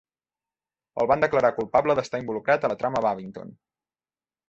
El van declarar culpable d'estar involucrat a la trama Babington.